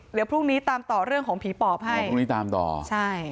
เดี๋ยวพรุ่งนี้ตามต่อเรื่องของผีปอบให้เดี๋ยวพรุ่งนี้ตามต่อใช่